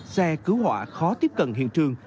xe cứu hỏa khó tiếp cận hiện trường